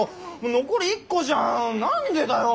残り１個じゃん何でだよ